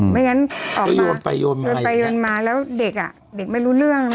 ไม่งั้นออกมาโยนไปโยนมาแล้วเด็กไม่รู้เรื่อง